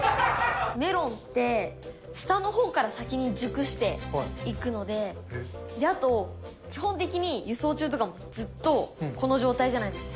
メロンって、下のほうから先に熟していくので、あと、基本的に輸送中とかもずっとこの状態じゃないですか。